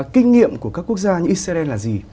kinh nghiệm của các quốc gia như israel là gì